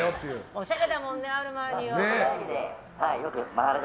おしゃれだもんねアルマーニは。